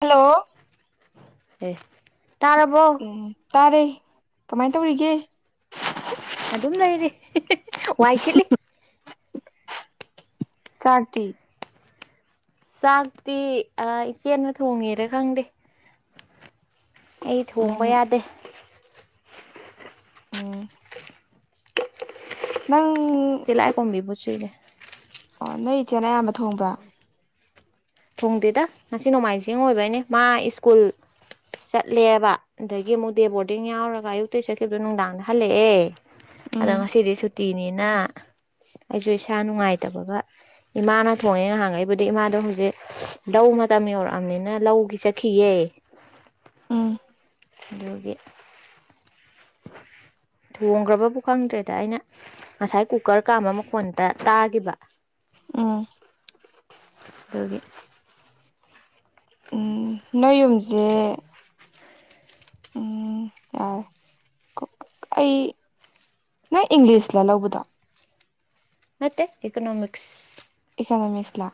hello ꯇꯥꯔꯕꯣ ꯇꯥꯔꯦ ꯀꯃꯥꯏ ꯇꯧꯔꯤꯒꯦ ꯑꯗꯨꯝ ꯂꯩꯔꯤ ꯋꯥꯏ ꯁꯤꯠꯂꯤ ꯆꯥꯛꯇꯤ ꯆꯥꯛꯇꯤ ꯑꯥ ꯏꯆꯦꯅ ꯊꯣꯡꯉꯤꯔ ꯈꯪꯗꯦ ꯑꯩ ꯊꯣꯡꯕ ꯎꯝ ꯌꯥꯗꯦ ꯎꯝ ꯅꯪ ꯇꯤꯂꯥꯏꯀꯣꯝꯕꯤꯕꯨ ꯆꯨꯏꯌꯦ ꯑꯣ ꯅꯣꯏ ꯏꯆꯦꯅ ꯑꯌꯥꯝꯕ ꯊꯣꯡꯕ꯭ꯔꯥ ꯊꯣꯡꯗꯦꯗ ꯉꯁꯤ ꯅꯣꯡꯃꯥꯏꯖꯤꯡ ꯑꯣꯏꯕꯩꯅꯤ ꯃꯥ ꯁ꯭ꯀꯨꯜ ꯆꯠꯂꯦꯕ ꯑꯗꯒꯤ ꯑꯃꯨꯛ ꯗꯦ ꯕꯣꯔꯗꯤꯡ ꯌꯥꯎꯔꯒ ꯑꯌꯨꯛꯇꯩ ꯆꯠꯈꯤꯕꯗꯣ ꯅꯨꯡꯗꯥꯡꯗ ꯍꯜꯂꯛꯑꯦ ꯑꯗꯣ ꯎꯝ ꯉꯁꯤꯗꯤ ꯁꯨꯇꯤꯅꯤꯅ ꯑꯩꯁꯨ ꯏꯁꯥ ꯅꯨꯡꯉꯥꯏꯇꯕꯒ ꯏꯃꯥꯅ ꯊꯣꯡꯉꯦ ꯉꯥꯍꯥꯡꯉꯩꯕꯨꯗꯤ ꯏꯃꯥꯗꯣ ꯍꯧꯖꯤꯛ ꯂꯧ ꯃꯇꯝ ꯌꯧꯔꯛꯑꯝꯅꯤꯅ ꯂꯧꯒꯤ ꯆꯠꯈꯤꯌꯦ ꯎꯝ ꯑꯗꯨꯒꯤ [inaudible] ꯊꯣꯡꯒꯔ꯭ꯕꯕꯨ ꯈꯪꯗ꯭ꯔꯦꯗ ꯑꯩꯅ ꯉꯁꯥꯏ ꯀꯨꯀꯔ ꯀꯥꯝꯕ ꯃꯈꯣꯟꯇ ꯇꯥꯒꯤꯕ ꯎꯝ ꯗꯨꯒꯤ ꯎꯝ ꯅꯣꯏ ꯌꯨꯝꯁꯦ ꯎꯝ ꯌꯥꯔꯦ ꯑꯩ ꯅꯪ ꯏꯪꯂꯤꯁꯂ ꯂꯧꯕꯗꯣ ꯃꯦ ꯏꯀꯣꯅꯣꯃꯤꯛꯁ ꯏꯀꯅꯃꯤꯛꯁꯂꯥ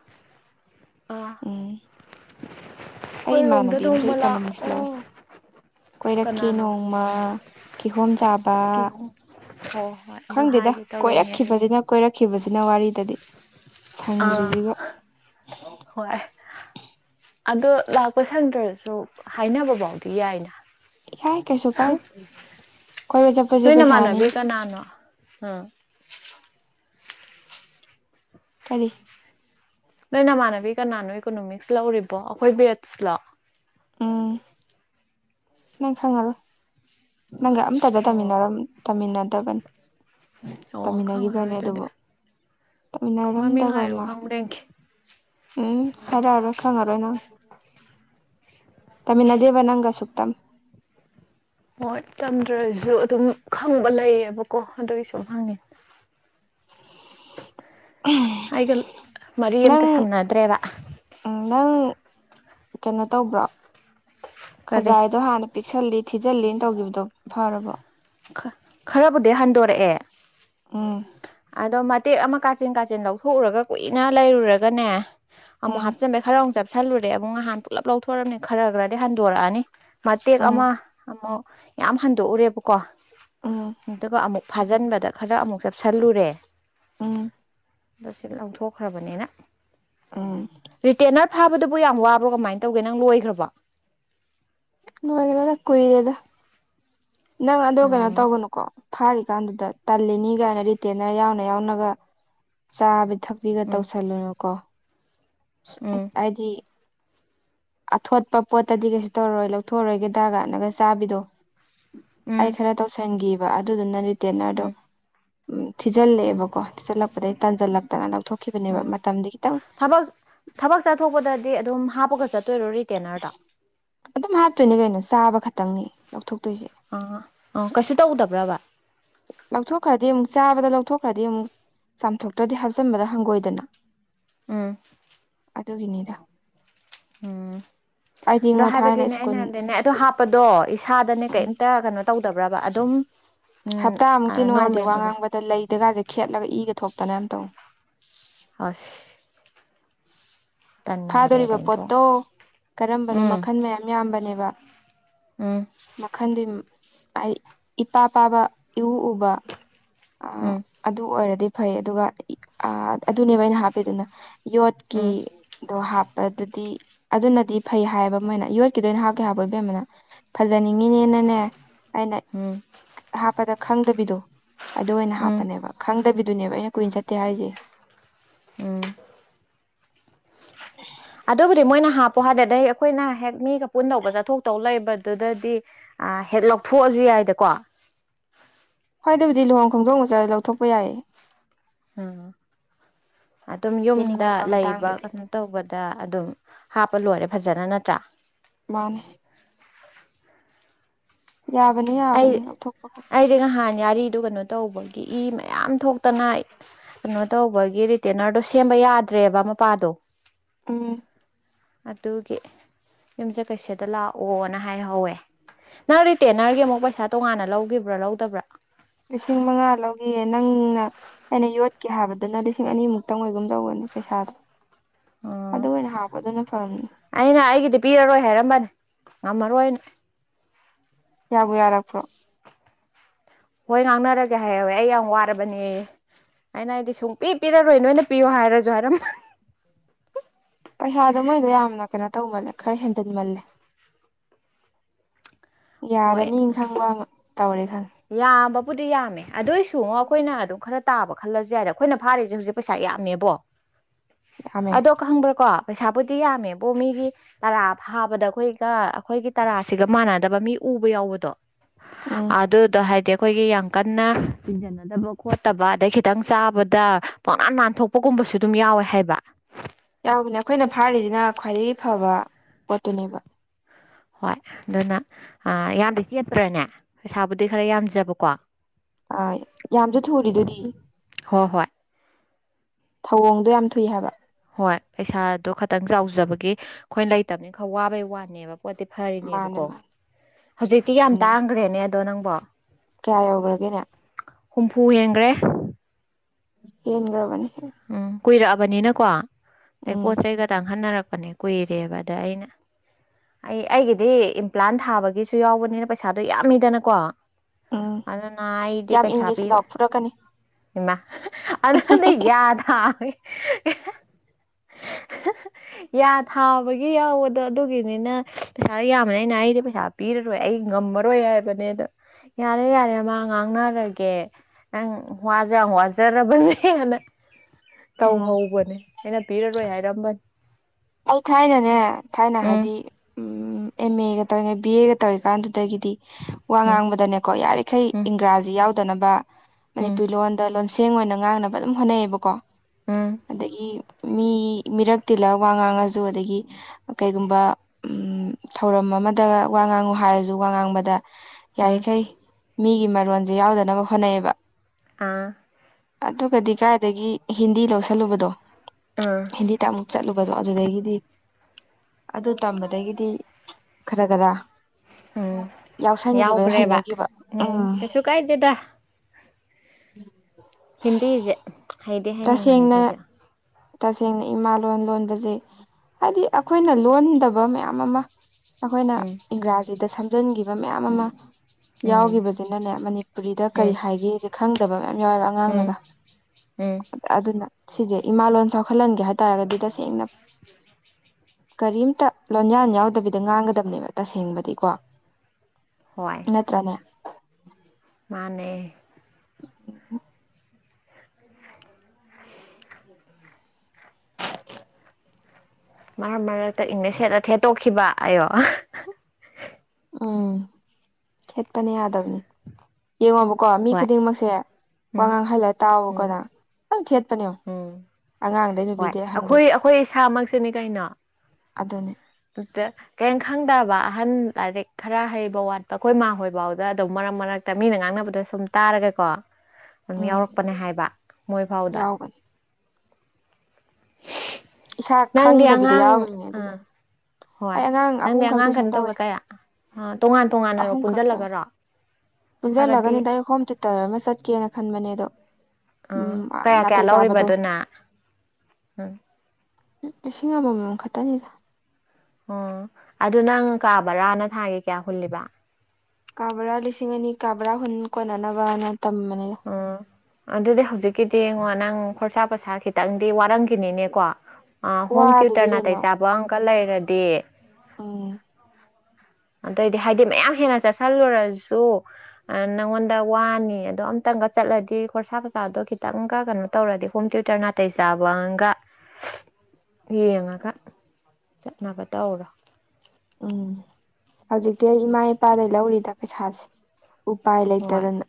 ꯑꯥ ꯑꯩ ꯑꯩꯈꯣꯏꯔꯣꯝꯗ ꯏꯃꯥꯟꯅꯕꯤ ꯑꯝꯁꯨ ꯅꯣꯡꯃ ꯏꯀꯅꯣꯃꯤꯛꯁ ꯂꯧꯋꯤ ꯂꯥꯛꯑꯣ ꯀꯣꯏꯔꯛꯀꯦ ꯀꯅꯥꯅꯣ ꯅꯣꯡꯃ ꯀꯤꯍꯣꯝ ꯆꯥꯕ [unintelligible] ꯈꯪꯗꯦꯗ ꯍꯥꯏꯒꯦ ꯇꯧꯔꯤꯅꯦ ꯑꯩꯁꯦ ꯀꯣꯏꯔꯛꯈꯤꯕꯁꯤꯅ ꯀꯣꯏꯔꯛꯈꯤꯕꯁꯤꯅ ꯋꯥꯔꯤꯗꯗꯤ ꯑꯥ ꯁꯪꯗ꯭ꯔꯤꯁꯤꯒ ꯍꯣꯏ ꯑꯗꯣ ꯂꯥꯛꯄ ꯁꯪꯗ꯭ꯔꯁꯨ ꯍꯥꯏꯅꯕꯕꯥꯎꯗꯤ ꯌꯥꯏꯅ ꯌꯥꯏ ꯀꯩꯁꯨ ꯀꯥꯏꯗꯦ ꯀꯣꯏꯕ ꯆꯠꯄꯁꯦ ꯅꯣꯏ ꯅꯃꯥꯟꯅꯕꯤ ꯄꯩꯁꯥꯅꯤꯅꯦ ꯀꯅꯥꯅꯣ ꯎꯝ ꯀꯔꯤ ꯅꯣꯏ ꯅꯃꯥꯟꯅꯕꯤ ꯀꯅꯥꯅꯣ ꯏꯀꯣꯅꯣꯃꯤꯛꯁ ꯂꯧꯔꯤꯕꯣ ꯑꯩꯈꯣꯏ ꯕꯦꯠꯁꯂꯣ ꯎꯝ ꯅꯪ ꯈꯪꯉꯔꯣꯏ ꯅꯪꯒ ꯑꯝꯇꯗ ꯑꯣ ꯇꯝꯃꯤꯟꯅꯔꯝ ꯇꯝꯃꯤꯟꯅꯗꯕꯟ ꯑꯣ ꯈꯪꯉꯔꯣꯏ ꯇꯝꯃꯤꯟꯅꯒꯤꯕ꯭ꯔꯅꯦ ꯑꯗꯨꯗꯤ ꯑꯗꯨꯕꯨ ꯃꯃꯤꯡ ꯇꯝꯃꯤꯟꯅꯔꯝꯗꯕ ꯍꯥꯏꯔꯣ ꯑꯃ ꯈꯪꯕ꯭ꯔ ꯌꯦꯡꯒꯦ ꯎꯝ ꯍꯥꯏꯔꯛꯑꯔꯣꯏ ꯈꯪꯉꯔꯣꯏ ꯅꯪ ꯇꯝꯃꯤꯟꯅꯗꯦꯕ ꯅꯪꯒ ꯁꯨꯛꯇꯝ ꯍꯣꯏ ꯇꯝꯗ꯭ꯔꯁꯨ ꯑꯗꯨꯝ ꯈꯪꯕ ꯂꯩꯌꯦꯕꯀꯣ ꯑꯗꯨꯒꯤ ꯁꯨꯝ ꯍꯪꯉꯤꯟ [inaudible] ꯑꯩꯒ ꯃꯔꯤ ꯅꯪ ꯑꯝꯇ ꯁꯝꯅꯗ꯭ꯔꯦꯕ ꯎꯝ ꯅꯪ ꯀꯩꯅꯣ ꯇꯧꯕ꯭ꯔꯣ ꯀꯔꯤ ꯈꯖꯥꯏꯗꯣ ꯍꯥꯟꯅ ꯄꯤꯛꯁꯜꯂꯤ ꯊꯤꯖꯜꯂꯤꯅ ꯇꯧꯈꯤꯕꯗꯣ ꯐꯔꯕꯣ ꯈ ꯈꯔꯕꯨꯗꯤ ꯍꯟꯗꯣꯔꯛꯑꯦ ꯎꯝ ꯑꯗꯣ ꯃꯇꯦꯛ ꯑꯃ ꯀꯥꯆꯤꯟ ꯀꯥꯆꯤꯟ ꯂꯧꯊꯣꯛꯎꯔꯒ ꯀꯨꯏꯅ ꯂꯩꯔꯨꯔꯒꯅꯦ ꯑꯃꯨꯛ ꯎꯝ ꯍꯥꯞꯆꯤꯟꯕꯩ ꯈꯔ ꯑꯃꯨꯛ ꯆꯞꯁꯤꯜꯂꯨꯔꯦ ꯑꯃꯨꯛ ꯉꯍꯥꯟ ꯄꯨꯂꯞ ꯂꯧꯊꯣꯔꯑꯕꯅꯤ ꯈꯔ ꯈꯔꯗꯤ ꯍꯟꯗꯣꯔꯛꯑꯅꯤ ꯃꯇꯦꯛ ꯎꯝ ꯑꯃ ꯑꯃꯨꯛ ꯌꯥꯝ ꯍꯟꯗꯣꯛꯎꯔꯦꯕꯀꯣ ꯎꯝ ꯑꯗꯨꯒ ꯑꯃꯨꯛ ꯐꯥꯖꯤꯟꯕꯗ ꯈꯔ ꯑꯃꯨꯛ ꯆꯞꯁꯤꯜꯂꯨꯔꯦ ꯎꯝ ꯑꯗꯣ ꯁꯤ ꯂꯧꯊꯣꯛꯈ꯭ꯔꯕꯅꯤꯅ ꯎꯝ ꯔꯤꯇꯦꯅꯔ ꯐꯥꯕꯗꯨꯕꯨ ꯌꯥꯝ ꯋꯥꯕ꯭ꯔꯣ ꯀꯃꯥꯏꯅ ꯇꯧꯒꯦ ꯅꯪ ꯂꯣꯏꯈ꯭ꯔꯕ ꯂꯣꯏꯈꯔꯦꯗ ꯀꯨꯏꯔꯦꯗ ꯅꯪ ꯑꯗꯨ ꯀꯩꯅꯣ ꯎꯝ ꯇꯧꯒꯅꯨ ꯀꯣ ꯐꯥꯔꯤꯀꯥꯟꯗꯨꯗ ꯇꯜꯂꯤꯅꯤ ꯀꯥꯏꯅ ꯔꯤꯇꯦꯅꯔ ꯌꯥꯎꯅ ꯌꯥꯎꯅꯒ ꯆꯥꯕ ꯊꯛꯄꯤꯒ ꯎꯝ ꯇꯧꯁꯜꯂꯨꯅꯨꯀꯣ ꯎꯝ ꯍꯥꯏꯗꯤ ꯑꯊꯣꯠꯄ ꯄꯣꯠꯇꯗꯤ ꯀꯩꯁꯨ ꯇꯧꯔꯔꯣꯏ ꯂꯧꯊꯣꯛꯔꯣꯏꯒꯦꯗꯒꯅꯒ ꯆꯥꯕꯤꯗꯣ ꯎꯝ ꯑꯩ ꯈꯔ ꯇꯧꯁꯟꯈꯤꯕ ꯑꯗꯨꯗꯨꯅ ꯔꯤꯇꯦꯅꯔꯗꯣ ꯎꯝ ꯎꯝ ꯊꯤꯖꯤꯜꯂꯛꯑꯦꯕꯀꯣ ꯊꯤꯆꯜꯂꯛꯄꯗꯒꯤ ꯇꯥꯟꯁꯤꯜꯂꯛꯇꯅ ꯂꯧꯊꯣꯛꯈꯤꯕꯅꯦꯕ ꯎꯝ ꯃꯇꯝꯗꯤ ꯈꯤꯇꯪ ꯊꯕꯛ ꯊꯕꯛ ꯆꯠꯊꯣꯛꯄꯗꯗꯤ ꯑꯗꯨꯝ ꯍꯥꯞꯄꯒ ꯆꯠꯇꯣꯏꯔꯣ ꯔꯤꯇꯦꯅꯔꯗꯣ ꯑꯗꯨꯝ ꯍꯥꯞꯇꯣꯏꯅꯦ ꯀꯩꯅꯣ ꯆꯥꯕ ꯈꯛꯇꯪꯅꯤ ꯂꯧꯊꯣꯛꯇꯣꯏꯁꯦ ꯑ ꯑ ꯀꯩꯁꯨ ꯇꯧꯗꯕ꯭ꯔꯕ ꯂꯧꯊꯣꯛꯈ꯭ꯔꯗꯤ ꯑꯃꯨꯛ ꯆꯥꯕꯗ ꯂꯧꯊꯣꯛꯈ꯭ꯔꯗꯤ ꯑꯃꯨꯛ ꯆꯥꯝꯊꯣꯛꯇ꯭ꯔꯗꯤ ꯍꯥꯞꯆꯤꯟꯕꯗ ꯍꯪꯒꯣꯏꯗꯅ ꯎꯝ ꯑꯗꯨꯒꯤꯅꯤꯗ ꯎꯝ ꯑꯩꯗꯤ ꯑꯗꯣ ꯉꯣ ꯊꯥꯏꯅ ꯍꯥꯏꯕꯗꯤꯅꯦ ꯑꯩꯅ ꯁ꯭ꯀꯨꯜ ꯍꯥꯏꯕꯗꯤꯅꯦ ꯑꯗꯣ ꯍꯥꯞꯄꯗꯣ ꯏꯁꯥꯗꯅꯦ ꯎꯝ ꯀꯩꯝꯇ ꯀꯩꯅꯣ ꯇꯧꯗꯕ꯭ꯔꯕ ꯑꯗꯨꯝ ꯅꯣꯔꯃꯦꯜ ꯑꯣꯏꯕ꯭ꯔꯥ ꯂꯩꯗꯒꯗ ꯈꯦꯠꯂꯒ ꯏꯒ ꯊꯣꯛꯇꯅ ꯑꯃ ꯇꯧ ꯑ ꯇꯟꯈ꯭ꯔꯦꯗ ꯐꯥꯗꯣꯔꯤꯕ ꯑꯣꯟꯊꯣꯛ ꯄꯣꯠꯇꯣ ꯀꯔꯝꯕꯅꯣ ꯎꯝ ꯃꯈꯜ ꯃꯌꯥꯝ ꯌꯥꯝꯕꯅꯦꯕ ꯎꯝ ꯃꯈꯟꯗꯨꯝ ꯍꯥꯏꯗꯤ ꯏꯄꯥ ꯄꯥꯕ ꯏꯎ ꯎꯕ ꯑ ꯎꯝ ꯑꯗꯨ ꯑꯣꯏꯔꯗꯤ ꯐꯩ ꯑꯗꯨꯒ ꯏ ꯑ ꯑꯗꯨꯅꯦꯕ ꯑꯩꯅ ꯍꯥꯞꯄꯤꯗꯨꯅ ꯎꯝ ꯌꯣꯠꯀꯤꯗꯣ ꯍꯥꯞ ꯑꯗꯨꯗꯤ ꯑꯗꯨꯅꯗꯤ ꯐꯩ ꯍꯥꯏꯌꯦꯕ ꯃꯣꯏꯅ ꯌꯣꯠꯀꯤꯗꯣ ꯑꯣꯏꯅ ꯍꯥꯞꯀꯦ ꯍꯥꯞꯄꯣ ꯏꯕꯦꯝꯃ ꯅꯪ ꯐꯖꯅꯤꯡꯉꯤꯅꯦꯅꯅꯦ ꯑꯩꯅ ꯍꯨꯝ ꯍꯥꯞꯄꯗ ꯈꯪꯗꯕꯤꯗꯣ ꯑꯗꯨ ꯑꯣꯏꯅ ꯎꯝ ꯍꯥꯞꯄꯅꯦꯕ ꯈꯪꯗꯕꯤꯗꯨꯅꯦꯕ ꯑꯩꯅ ꯀꯨꯏꯅ ꯆꯠꯇꯦ ꯍꯥꯏꯁꯦ ꯎꯝ [unintelligible] ꯑꯗꯨꯕꯨꯗꯤ ꯃꯣꯏꯅ ꯍꯥꯞꯄꯨ ꯍꯥꯏꯗꯦ ꯑꯗꯩ ꯑꯩꯈꯣꯏꯅ ꯍꯦꯛ ꯃꯤꯒ ꯄꯨꯟ ꯇꯧꯕ ꯆꯠꯊꯣꯛꯇꯧ ꯂꯩꯕꯗꯨꯗꯗꯤ ꯑ ꯍꯦꯛ ꯂꯧꯊꯣꯛꯑꯁꯨ ꯌꯥꯏꯗꯀꯣ ꯍꯣꯏ ꯑꯗꯨꯕꯨꯗꯤ ꯂꯨꯍꯣꯡ ꯈꯣꯡꯗꯣꯡꯕ ꯆꯠꯂꯗꯤ ꯂꯧꯊꯣꯛꯄ ꯌꯥꯏꯌꯦ ꯎꯝ ꯑꯗꯨꯝ ꯌꯨꯝꯗ ꯌꯦꯡꯅꯤꯡꯉꯛꯄ ꯂꯩꯕ ꯃꯇꯥꯡꯗꯗꯤ ꯈꯛꯅꯦ ꯇꯧꯕꯗ ꯑꯗꯨꯝ ꯍꯥꯞꯄ ꯂꯣꯏꯔꯦ ꯐꯖꯅ ꯅꯠꯇ꯭ꯔꯥ ꯃꯥꯥꯟꯅꯤ ꯌꯥꯕꯅꯤ ꯑꯩ ꯌꯥꯕꯅꯤ ꯂꯧꯊꯣꯛꯄ ꯈ ꯑꯩꯗꯤ ꯉꯍꯥꯟ ꯌꯥꯔꯤꯗꯨ ꯀꯩꯅꯣ ꯇꯧꯕꯒꯤ ꯏ ꯃꯌꯥꯝ ꯊꯣꯛꯇꯅ ꯀꯩꯅꯣ ꯇꯧꯕꯒꯤ ꯔꯤꯇꯦꯅꯔꯗꯣ ꯁꯦꯝꯕ ꯌꯥꯗ꯭ꯔꯦꯕ ꯃꯄꯥꯗꯣ ꯎꯝ ꯑꯗꯨꯒꯤ ꯌꯨꯝꯁꯀꯩꯁꯗ ꯂꯥꯛꯑꯣꯅ ꯍꯥꯏꯍꯧꯋꯦ ꯅꯪ ꯔꯤꯇꯦꯅꯔꯒꯤ ꯑꯃꯨꯛ ꯄꯩꯁꯥ ꯇꯣꯉꯥꯟꯅ ꯂꯧꯒꯤꯕ꯭ꯔꯣ ꯂꯧꯗꯕ꯭ꯔꯣ ꯂꯤꯁꯤꯡ ꯃꯉꯥ ꯂꯧꯒꯤꯌꯦ ꯅꯪꯅ ꯑꯩꯅ ꯌꯣꯠꯀꯤ ꯍꯥꯏꯕꯗꯨꯅ ꯂꯤꯁꯤꯡ ꯑꯅꯤꯃꯨꯛꯇꯪ ꯑꯣꯏꯒꯨꯝ ꯇꯧꯕꯅꯤ ꯄꯩꯁꯥꯗꯣ ꯎꯝ ꯑꯗꯨ ꯑꯣꯏꯅ ꯍꯥꯞꯄ ꯑꯗꯨꯅ ꯐꯔꯝꯅꯤ ꯑꯩꯅ ꯑꯩꯒꯤꯗꯤ ꯄꯤꯔꯔꯣꯏ ꯍꯥꯏꯔꯝꯕꯅꯦ ꯉꯝꯃꯔꯣꯏꯅ ꯌꯥꯕꯨ ꯌꯥꯔꯛꯄ꯭ꯔꯣ ꯃꯣꯏ ꯉꯥꯡꯅꯔꯒꯦ ꯍꯥꯏꯌꯧꯋꯦ ꯑꯩ ꯌꯥꯝ ꯋꯥꯔꯕꯅꯦ ꯑꯩꯅꯗꯤ ꯁꯨꯡ ꯄꯤ ꯄꯤꯔꯔꯣꯏ ꯅꯣꯏꯅ ꯄꯤꯌꯣ ꯍꯥꯏꯔꯁꯨ ꯍꯥꯏꯔꯝꯕ ꯄꯩꯁꯥꯗꯣ ꯃꯣꯏꯗꯣ ꯌꯥꯝꯅ ꯀꯩꯅꯣ ꯇꯧꯃꯜꯂꯦ ꯈꯔ ꯍꯦꯟꯖꯤꯟꯃꯜꯂꯦ ꯍꯣꯏ ꯌꯥꯔꯅꯤꯅ ꯈꯪꯕ ꯑꯃ ꯇꯧꯔꯦ ꯈꯪꯉꯦ ꯌꯥꯝꯕꯕꯨꯗꯤ ꯌꯥꯝꯃꯦ ꯑꯗꯨꯏ ꯁꯨꯉꯣ ꯑꯩꯈꯣꯏꯅ ꯑꯗꯨꯝ ꯈꯔ ꯇꯥꯕ ꯈꯜꯂꯁꯨ ꯌꯥꯏꯗ ꯑꯩꯈꯣꯏꯅ ꯐꯥꯔꯤꯁꯦ ꯍꯧꯖꯤꯛ ꯄꯩꯁꯥ ꯌꯥꯝꯃꯦꯕꯣ ꯌꯥꯝꯃꯦ ꯑꯗꯣ ꯈꯪꯕ꯭ꯔꯥꯀꯣ ꯄꯩꯁꯥꯕꯨꯗꯤ ꯌꯥꯝꯃꯦꯕꯣ ꯃꯤꯒꯤ ꯇꯔꯥ ꯐꯥꯕꯗ ꯑꯩꯈꯣꯏꯒ ꯑꯩꯈꯣꯏꯒꯤ ꯇꯔꯥꯁꯤꯒ ꯃꯥꯟꯅꯗꯕ ꯃꯤ ꯎꯕ ꯌꯥꯎꯕꯗꯣ ꯎꯝ ꯑꯗꯨꯗꯣ ꯍꯥꯏꯗꯤ ꯑꯩꯈꯣꯏꯒꯤ ꯌꯥꯝ ꯀꯟꯅ ꯆꯤꯡꯖꯟꯅꯗꯕ ꯈꯣꯠꯇꯕ ꯑꯗꯩ ꯈꯤꯇꯪ ꯆꯥꯕꯗ ꯄꯛꯅꯥꯟ ꯅꯥꯟꯊꯣꯛꯄꯒꯨꯝꯕꯁꯨ ꯑꯗꯨꯝ ꯌꯥꯎꯋꯦ ꯍꯥꯏꯌꯦꯕ ꯌꯥꯎꯕꯅꯦ ꯑꯩꯈꯣꯏꯅ ꯐꯥꯔꯤꯁꯤꯅ ꯈ꯭ꯋꯥꯏꯗꯒꯤ ꯐꯕ ꯄꯣꯠꯇꯨꯅꯦꯕ ꯍꯣꯏ ꯑꯗꯨꯅ ꯌꯥꯝꯗꯤ ꯆꯦꯠꯇ꯭ꯔꯅꯦ ꯄꯩꯁꯥꯕꯨꯗꯤ ꯈꯔ ꯌꯥꯝꯖꯕꯀꯣ ꯑ ꯌꯥꯝꯖꯨ ꯊꯨꯔꯤꯗꯨꯗꯤ ꯍꯣ ꯍꯣꯏ ꯊꯧꯑꯣꯡꯗꯣ ꯌꯥꯝ ꯊꯨꯏ ꯍꯥꯏꯕ ꯍꯣꯏ ꯄꯩꯁꯥꯗꯣ ꯈꯇꯪ ꯆꯥꯎꯖꯕꯒꯤ ꯑꯩꯈꯣꯏ ꯂꯩꯇꯕꯅꯤꯅ ꯈꯔ ꯋꯥꯕꯩ ꯋꯥꯅꯦꯕ ꯄꯣꯠꯇꯤ ꯃꯥꯅꯦ ꯐꯔꯤꯅꯦꯕꯀꯣ ꯃꯥꯅꯦ ꯍꯧꯖꯤꯛꯇꯤ ꯌꯥꯝ ꯎꯝ ꯇꯥꯡꯈ꯭ꯔꯦꯅꯦ ꯑꯗꯣ ꯅꯪꯕꯣ ꯀꯌꯥ ꯌꯧꯒ꯭ꯔꯒꯦꯅꯦ ꯍꯨꯝꯐꯨ ꯍꯦꯟꯒ꯭ꯔꯦ ꯍꯦꯟꯒ꯭ꯔꯕꯅꯤꯍꯦ ꯎꯝ ꯀꯨꯏꯔꯛꯑꯕꯅꯤꯅꯀꯣ ꯑꯗꯩ ꯎꯝ ꯄꯣꯠ ꯆꯩꯒ ꯇꯥꯡ ꯍꯟꯅꯔꯛꯄꯅꯦ ꯀꯨꯏꯔꯦꯕ ꯑꯗ ꯑꯩꯅ ꯑꯩ ꯑꯩꯒꯤꯗꯤ ꯏꯝꯄ꯭ꯂꯥꯟ ꯊꯥꯕꯒꯤꯁꯨ ꯌꯥꯎꯕꯅꯤꯅ ꯄꯩꯁꯥꯗꯨꯣ ꯌꯥꯝꯃꯤꯗꯅꯀꯣ ꯎꯝ ꯑꯗꯨꯅ ꯑꯩꯗꯤ ꯌꯥꯝ ꯄꯩꯁꯥ ꯏꯪꯂꯤꯁ ꯄꯤ ꯂꯥꯎ ꯐꯨꯔꯛꯀꯅꯤ ꯍꯩꯃꯥ [unintelligible] [unintelligible] ꯌꯥ ꯊꯥꯕꯒꯤ ꯌꯥꯎꯕꯗꯣ ꯑꯗꯨꯒꯤꯅꯤꯅ ꯄꯩꯁꯥ ꯌꯥꯝꯕꯅꯦ ꯑꯩꯅ ꯑꯩꯗꯤ ꯄꯩꯁꯥ ꯄꯤꯔꯔꯣꯏ ꯑꯩ ꯉꯝꯃꯔꯣꯏ ꯍꯥꯏꯕꯅꯦ ꯑꯗ ꯌꯥꯔꯦ ꯌꯥꯔꯦ ꯃꯥ ꯉꯥꯡꯅꯔꯒꯦ ꯅꯪ ꯋꯁꯨ ꯌꯥꯝ ꯋꯖꯥꯔꯕꯅꯦ ꯎꯝ ꯇꯧꯍꯧꯕꯅꯦ ꯑꯩꯅ ꯄꯤꯔꯔꯣꯏ ꯍꯥꯏꯔꯝꯕꯅꯦ ꯑꯩ ꯊꯥꯏꯅꯅꯦ ꯊꯥꯏꯅ ꯎꯝ ꯍꯥꯏꯗꯤ ꯎꯜ ꯑꯦꯝ ꯃꯦꯒꯥ ꯇꯧꯔꯤꯅꯦ ꯕꯤ ꯑꯦꯒꯥ ꯇꯧꯋꯔꯤꯀꯥꯟꯗꯨꯗꯒꯤꯗꯤ ꯋꯥ ꯎꯝ ꯉꯥꯡꯕꯗꯅꯦꯀꯣ ꯌꯥꯔꯤꯈꯩ ꯎꯝ ꯏꯪꯒ꯭ꯔꯥꯖꯤ ꯌꯥꯎꯗꯅꯕ ꯃꯅꯤꯄꯨꯔꯤ ꯂꯣꯟꯗ ꯂꯣꯟꯁꯦꯡ ꯑꯣꯏꯅ ꯉꯥꯡꯅꯕ ꯑꯗꯨꯝ ꯍꯣꯠꯅꯩꯌꯦꯕꯀꯣ ꯎꯝ ꯎꯝ ꯑꯗꯒꯤ ꯃꯤ ꯃꯤꯔꯛ ꯇꯤꯜꯂꯒ ꯋꯥ ꯉꯥꯡꯉꯁꯨ ꯑꯗꯒꯤ ꯀꯩꯒꯨꯝꯕ ꯎꯝ ꯊꯧꯔꯝ ꯑꯃꯗ ꯋꯥ ꯉꯥꯡꯉꯨ ꯍꯥꯏꯔꯁꯨ ꯋꯥ ꯉꯥꯡꯕꯗ ꯎꯝ ꯌꯥꯔꯤꯈꯩ ꯃꯤꯒꯤ ꯃꯔꯣꯟꯁꯦ ꯌꯥꯎꯗꯅꯕ ꯍꯣꯠꯅꯩꯌꯦꯕ ꯑꯥ ꯑꯗꯨꯒꯗꯤ ꯀꯥꯏꯗꯒꯤ ꯍꯤꯟꯗꯤ ꯂꯧꯁꯜꯂꯨꯕꯗꯣ ꯑꯥ ꯍꯤꯟꯗꯤꯗ ꯑꯃꯨꯛ ꯆꯠꯂꯨ ꯕꯗꯣ ꯑꯗꯨꯗꯒꯤꯗꯤ ꯑꯗꯨ ꯇꯝꯕꯗꯒꯤꯗꯤ ꯈꯔ ꯈꯔ ꯎꯝ ꯌꯥꯎꯁꯟꯒꯤꯕꯩ ꯌꯥꯎꯈ꯭ꯔꯦꯕ ꯍꯩꯅꯈꯤꯕ ꯎꯝ ꯀꯥꯏꯗꯦꯗ [unintelligible] ꯍꯤꯟꯗꯤꯁꯦ ꯍꯩꯗꯤ ꯍꯩꯅꯤꯡꯕꯅꯦ ꯇꯁꯦꯡꯅ ꯑꯩꯈꯣꯏꯁꯦ ꯇꯁꯦꯡꯅ ꯏꯃꯥ ꯂꯣꯟ ꯂꯣꯟꯕꯁꯦ ꯍꯥꯏꯗꯤ ꯑꯩꯈꯣꯏꯅ ꯂꯣꯟꯗꯕ ꯃꯌꯥꯝ ꯑꯃ ꯑꯩꯈꯣꯏꯅ ꯎꯝ ꯏꯪꯒ꯭ꯔꯥꯖꯤꯗ ꯁꯝꯖꯤꯟꯈꯤꯕ ꯃꯌꯥꯝ ꯑꯃ ꯎꯝ ꯌꯥꯎꯈꯤꯕꯗꯨꯅꯅꯦ ꯃꯅꯤꯄꯨꯔꯤꯗ ꯎꯝ ꯀꯔꯤ ꯍꯥꯏꯒꯦꯁꯦ ꯈꯪ ꯗꯕ ꯃꯌꯥꯝ ꯌꯥꯎꯋꯦꯕ ꯑꯉꯥꯡꯅꯒ ꯎꯝ ꯎꯝ ꯑꯗꯨꯅ ꯁꯤꯖꯦ ꯏꯃꯥꯂꯣꯟ ꯆꯥꯎꯈꯠꯍꯟꯒꯦ ꯍꯥꯏꯇꯥꯔꯒꯗꯤ ꯇꯁꯦꯡꯅ ꯀꯔꯤꯝꯇ ꯂꯣꯟꯌꯥꯟ ꯌꯥꯎꯗꯕꯤꯗ ꯉꯥꯡꯒꯗꯕꯅꯦꯕ ꯇꯁꯦꯡꯕꯗꯤꯀꯣ ꯍꯣꯏ ꯇ꯭ꯔꯥꯅꯦ ꯃꯥꯅꯦ [unintelligible] ꯃꯔꯛ ꯃꯔꯛꯇ ꯏꯪꯂꯤꯁ ꯍꯦꯛꯇ ꯊꯦꯠꯇꯣꯛꯈꯤꯕ ꯍꯥꯏꯌꯣ ꯎꯝ ꯊꯦꯠꯄꯅꯦ ꯌꯥꯗꯕꯅꯦ ꯌꯦꯡꯉꯣꯕꯀꯣ ꯃꯤ ꯍꯣꯏ ꯈꯨꯗꯤꯡꯃꯛꯁꯦ ꯋꯥ ꯎꯝ ꯉꯥꯡꯍꯜꯂ ꯇꯥꯎꯕꯀꯣ ꯎꯝ ꯅꯪ ꯑꯗꯨꯝ ꯊꯦꯠꯄꯅꯦ ꯌꯦꯡꯉꯣ ꯎꯝ ꯑꯉꯥꯡꯗꯩ ꯍꯣꯏ ꯅꯨꯕꯤꯗꯩ ꯑꯍꯟꯗꯩ ꯑꯩꯈꯣꯏ ꯑꯩꯈꯣꯏ ꯏꯁꯥꯃꯛꯁꯨꯅꯤ ꯀꯩꯅꯣ ꯑꯗꯨꯅꯤ [unintelligible] ꯀꯩꯝ ꯈꯪꯗꯕ ꯑꯍꯟ ꯂꯥꯏꯔꯤꯛ ꯈꯔ ꯍꯩꯕ ꯋꯥꯠꯄ ꯑꯩꯈꯣꯏ ꯃꯥꯥꯍꯣꯏꯐꯥꯎꯗ ꯑꯗꯨꯝ ꯃꯔꯛ ꯃꯔꯛ ꯇ ꯃꯤꯅ ꯉꯥꯡꯅꯕꯗꯣ ꯁꯨꯝ ꯇꯥꯔꯒꯀꯣ [inaudible] ꯑꯗꯨꯝ ꯌꯥꯎꯔꯛꯄꯅꯦ ꯍꯥꯏꯕ ꯃꯣꯏꯐꯥꯎꯗ ꯌꯥꯎꯕꯅꯦ ꯏꯁꯥ ꯅꯪꯗꯤ ꯈꯪꯗꯕꯤꯗ ꯑꯉꯥꯡ ꯌꯥꯎꯈ꯭ꯔꯤꯅꯦ ꯑꯗꯨꯗꯣ ꯑꯥ ꯍꯣꯏ ꯑꯩ ꯑꯉꯥꯡ ꯅꯪꯗꯤ ꯑꯍꯨꯝꯈꯛ ꯑꯉꯥꯡ ꯀꯩꯅꯣ ꯇꯨꯏꯁꯟ ꯇꯧꯕ ꯇꯧꯋꯦ ꯀꯌꯥ ꯑꯥ ꯇꯣꯉꯥꯟ ꯇꯣꯉꯥꯟꯅꯔꯣ ꯑꯍꯨꯝꯈꯛ ꯇꯧꯋꯦ ꯄꯨꯟꯖꯜꯂꯒꯔꯣ ꯄꯨꯟꯁꯤꯜꯂꯒꯅꯤꯗ ꯑꯩ ꯍꯣꯝ ꯇꯨꯇꯔ ꯑꯃ ꯆꯠꯀꯦꯅ ꯈꯟꯕꯅꯦ ꯑꯗꯣ ꯎꯝ ꯑꯥ ꯀꯌꯥ ꯀꯌꯥ ꯅꯇꯩ ꯂꯧꯔꯤꯕ ꯆꯥꯕꯗꯣ ꯑꯗꯨꯅ ꯎꯝ ꯂꯤꯁꯤꯡ ꯑꯃꯝꯃꯝ ꯈꯛꯇꯅꯤꯗ ꯑꯣ ꯑꯗꯨ ꯅꯪ ꯀꯥ ꯕꯔꯥꯅ ꯊꯥꯒꯤ ꯀꯌꯥ ꯍꯨꯜꯂꯤꯕ ꯀꯥ ꯕꯔꯥ ꯂꯤꯁꯤꯡ ꯑꯅꯤ ꯀꯥ ꯕꯔꯥ ꯍꯨꯟ ꯀꯣꯟꯅꯅꯕꯅ ꯇꯝꯕꯅꯤꯗ ꯑꯣ ꯑꯗꯨꯗꯤ ꯍꯧꯖꯤꯛꯀꯤꯗꯤ ꯉꯣ ꯅꯪ ꯈꯣꯔꯁꯥ ꯄꯁꯥ ꯈꯤꯇꯪꯗꯤ ꯋꯥꯔꯝꯈꯤꯅꯤꯅꯦꯀꯣ ꯑꯥ ꯍꯣꯝ ꯋꯥꯗꯨꯗꯤ ꯇ꯭ꯌꯨꯇꯔ ꯀꯩꯅꯣ ꯅꯥꯇꯩ ꯆꯥꯕ ꯑꯝꯀ ꯂꯩꯔꯗꯤ ꯎꯝ ꯑꯗꯩꯗꯤ ꯍꯥꯏꯗꯤ ꯃꯌꯥꯝ ꯍꯦꯟꯅ ꯆꯠꯁꯤꯜꯂꯨꯔꯁꯨ ꯑꯥ ꯅꯪꯉꯣꯟꯗ ꯋꯥꯅꯤ ꯑꯗꯣ ꯑꯝꯇꯪꯒ ꯆꯠꯂꯗꯤ ꯈꯣꯔꯁꯥ ꯄꯁꯥꯗꯣ ꯈꯤꯇꯪꯒ ꯀꯅꯣ ꯇꯧꯔꯗꯤ ꯍꯣꯝ ꯇ꯭ꯌꯨꯇꯔ ꯅꯥꯇꯩ ꯆꯥꯕꯥ ꯑꯝꯒ [inaudible] ꯌꯦꯡꯉꯒ ꯆꯠꯅꯕ ꯇꯧꯔꯣ ꯎꯝ ꯍꯧꯖꯤꯛꯇꯤ ꯑꯩ ꯏꯃꯥ ꯏꯄꯥꯗꯩ ꯂꯧꯔꯤꯗ ꯄꯩꯁꯥꯁꯦ ꯎꯄꯥꯏ ꯍꯣꯏ ꯂꯩꯇꯗꯅ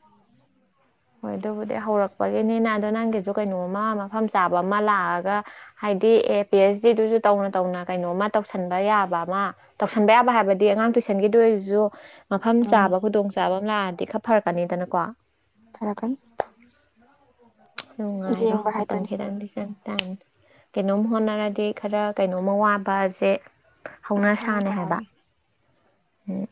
ꯍꯣꯏ ꯑꯗꯨꯕꯨꯗꯤ ꯍꯧꯔꯛꯄꯒꯤꯅꯤꯅ ꯑꯗꯣ ꯅꯪꯒꯤꯁꯨ ꯀꯩꯅꯣꯝꯃ ꯃꯐꯝ ꯆꯥꯕ ꯑꯃ ꯂꯥꯛꯑꯒ ꯍꯥꯏꯗꯤ ꯑꯦ ꯄꯤ ꯑꯩꯆ ꯗꯤꯗꯨꯁꯨ ꯇꯧꯅ ꯇꯧꯅ ꯀꯩꯅꯣꯝꯃ ꯇꯧꯁꯟꯕ ꯌꯥꯕ ꯑꯃ ꯇꯧꯁꯟꯕ ꯌꯥꯕ ꯍꯥꯏꯕꯗꯤ ꯑꯉꯥꯡ ꯇꯨꯁꯟꯒꯤꯗꯣ ꯑꯣꯏꯖꯨ ꯃꯐꯝ ꯎꯝ ꯆꯥꯕ ꯈꯨꯗꯣꯡ ꯆꯥꯕ ꯑꯃ ꯂꯥꯛꯑꯗꯤ ꯈꯔ ꯐꯔꯛꯀꯅꯤꯗꯅꯀꯣ ꯐꯔꯀꯅꯤ ꯉꯥꯏꯔꯣ ꯌꯦꯡꯕ ꯃꯇꯝ ꯍꯥꯏꯗꯨꯅꯤ ꯈꯤꯇꯪꯗꯤ ꯆꯪ ꯀꯩꯅꯣꯝ ꯍꯣꯠꯅꯔꯗꯤ ꯈꯔ ꯀꯩꯅꯣꯝꯃ ꯋꯥꯠꯄꯖꯦ ꯃꯁꯥꯅ ꯍꯧꯅꯁꯥꯅꯦ ꯍꯥꯏꯕ ꯇꯥꯕꯅꯤ ꯎꯝ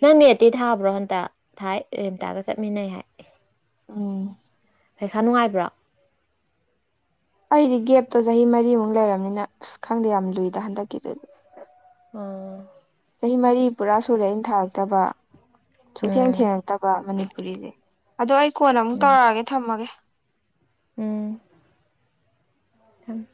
ꯅꯪ ꯅꯦꯠꯇꯤ ꯊꯥꯕ꯭ꯔꯣ ꯍꯟꯇꯛ ꯊꯥꯏ ꯔꯦꯟꯇꯥꯒ ꯆꯠꯃꯤꯟꯅꯩ ꯍꯥꯏ ꯎꯝ ꯄꯩꯈꯥ ꯅꯨꯡꯉꯥꯏꯕ꯭ꯔꯥ ꯑꯩꯗꯤ ꯒꯦꯞꯇꯣ ꯆꯍꯤ ꯃꯔꯤꯃꯨꯛ ꯂꯩꯔꯕꯅꯤꯅ ꯑꯁ ꯈꯪꯗꯦ ꯌꯥꯝ ꯂꯨꯏꯗ ꯍꯟꯗꯛꯀꯤꯗꯨ ꯑꯥ ꯆꯍꯤ ꯃꯔꯤ ꯄꯨꯔꯥ ꯁꯨꯔꯦ ꯑꯩꯟ ꯊꯥꯔꯛꯇꯕ ꯁꯨꯛꯊꯦꯡ ꯎꯝ ꯊꯦꯡꯉꯛꯇꯕ ꯃꯅꯤꯄꯨꯔꯤꯗꯤ ꯑꯗꯣ ꯑꯩ ꯀꯣꯟ ꯑꯃꯨꯛ ꯎꯝ ꯇꯧꯔꯛꯑꯒꯦ ꯊꯝꯃꯒꯦ ꯎꯝ ꯎꯝ